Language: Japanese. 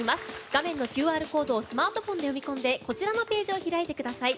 画面のＱＲコードをスマートフォンで読み込んでこちらのページを開いてください。